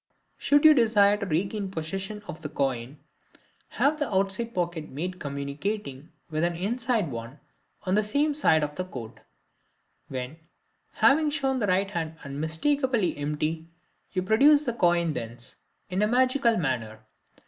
Should you desire to regain possession of the coin, have the outside pocket made communicating with an inside one on the same side of the coat; when, having shown the right hand unmistakably empty, you produce the coin thence, in a magical manner.